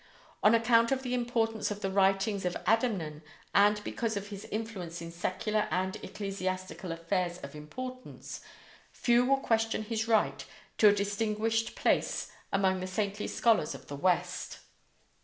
On account of the importance of the writings of Adamnan and because of his influence in secular and ecclesiastical affairs of importance, few will question his right to a distinguished place among the saintly scholars of the West.